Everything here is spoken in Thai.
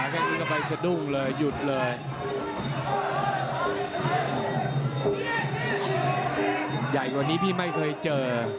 ยิ่งกว่านี้พี่ไม่เคยเจอ